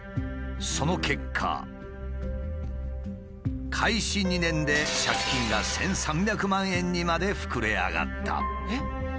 その結果開始２年で借金が１，３００万円にまで膨れ上がった。